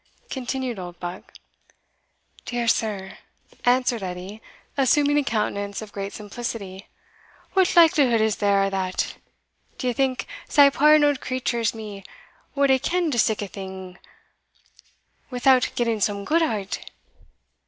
continued Oldbuck. "Dear sir," answered Edie, assuming a countenance of great simplicity, "what likelihood is there o'that? d'ye think sae puir an auld creature as me wad hae kend o' sic a like thing without getting some gude out o't?